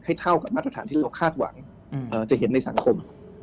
เท่ากับมาตรฐานที่เขาคาดหวังจะเห็นในสังคม